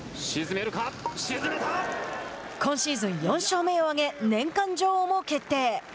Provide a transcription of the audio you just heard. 今シーズン４勝目を挙げ年間女王も決定。